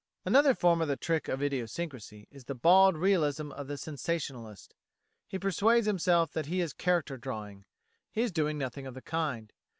Another form of the trick of idiosyncrasy is the bald realism of the sensationalist. He persuades himself that he is character drawing. He is doing nothing of the kind.